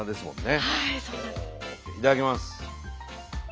いただきます。